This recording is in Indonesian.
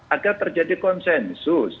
agar terjadi konsensus